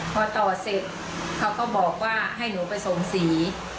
พอต่อเสร็จเขาก็บอกว่าให้หนูไปส่งสี